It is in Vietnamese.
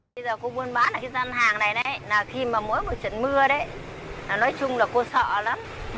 bây giờ cô muốn bán ở cái gian hàng này khi mà mỗi một trận mưa đấy nói chung là cô sợ lắm